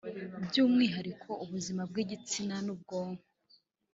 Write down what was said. by’umwihariko ubuzima bw’igitsina n’ubwonko